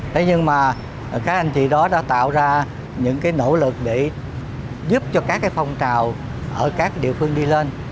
thế nhưng mà các anh chị đó đã tạo ra những cái nỗ lực để giúp cho các cái phong trào ở các địa phương đi lên